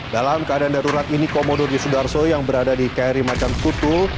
dalam keadaan darurat ini komodo yusudarso yang berada di kri macan kutul